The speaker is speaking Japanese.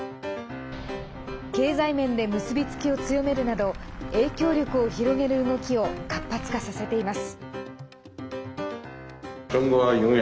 経済面で結び付きを強めるなど影響力を広げる動きを活発化させています。